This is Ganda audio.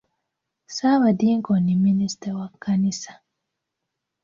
Ssaabadinkoni minisita wa kkanisa.